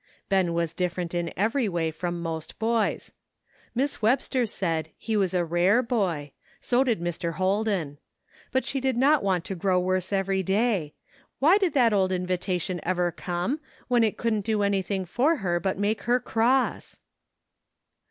Ben was different in every way from most boys. Miss Webster said he was a rare boy ; so did Mr. Holden. But she did not want to grow worse every day. Why did that old invitation ever come, when it couldn't do anything for her but make her cross